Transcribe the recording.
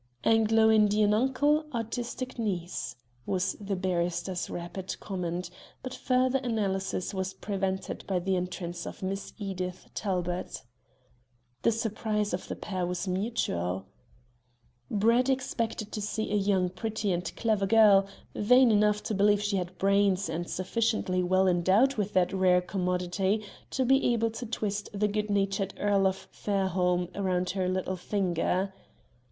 "Anglo Indian uncle, artistic niece," was the barrister's rapid comment, but further analysis was prevented by the entrance of Miss Edith Talbot. The surprise of the pair was mutual. Brett expected to see a young, pretty and clever girl, vain enough to believe she had brains, and sufficiently well endowed with that rare commodity to be able to twist the good natured Earl of Fairholme round her little finger.